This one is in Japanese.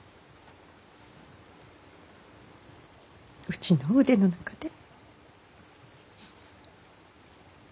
うちの腕の中で。